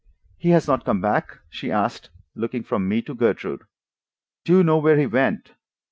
"He has not come back?" she asked, looking from me to Gertrude. "Do you know where he went?